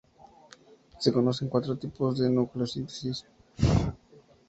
Se conocen cuatro tipos de nucleosíntesis.